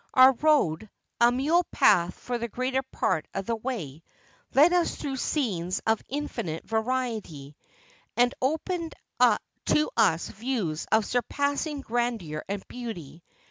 Our road — a mule path for the greater part of the way — led us through scenes of infinite variety, and opened to us views of surpassing grandeur and beauty.